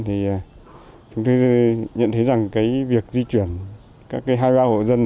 thì chúng tôi nhận thấy rằng việc di chuyển các hai ba hộ dân